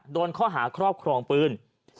โดนข้อหาครอบครองปืน